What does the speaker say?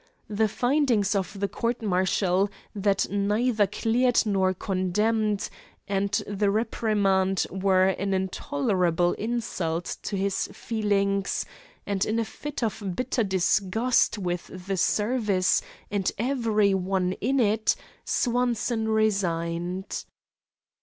The findings of the court martial, that neither cleared nor condemned, and the reprimand, were an intolerable insult to his feelings, and, in a fit of bitter disgust with the service and every one in it, Swanson resigned.